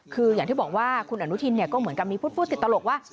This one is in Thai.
คืออย่างที่บอกว่าคุณอนุทินก็เหมือนกับมีพูดติดตลกว่า